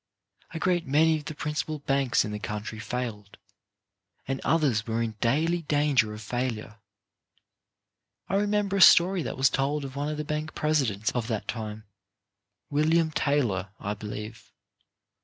A great many of the principal banks in the country failed, and others were in daily danger of failure. I re member a story that was told of one of the bank presidents of that time, William Taylor, I believe.